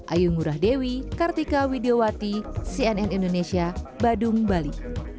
ayu ngurah dewi kartika widiawati cnn indonesia badung bali